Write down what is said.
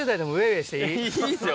いいっすよ